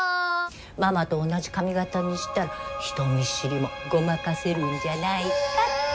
ママと同じ髪形にしたら人見知りもごまかせるんじゃないかって。